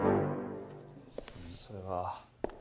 それは。